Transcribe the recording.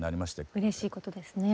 うれしいことですね。